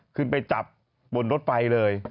ขึ้นไปจับบนรถไฟเลย